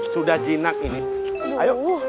sudah jinak ini ayo